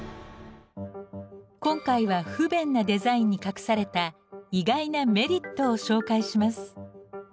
今回は不便なデザインに隠された意外なメリットを紹介します。